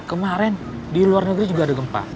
kemarin di luar negeri juga ada gempa